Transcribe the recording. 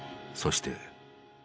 そして。